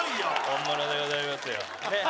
本物でございますよ